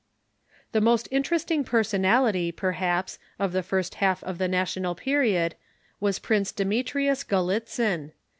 The most interesting personality, perhaps, of the first half of the National Period was Prince Demetrius Gallitzin.